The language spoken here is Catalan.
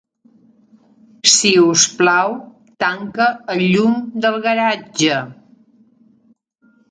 Sisplau, tanca el llum del garatge.